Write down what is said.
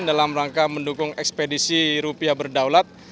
dalam rangka mendukung ekspedisi rupiah berdaulat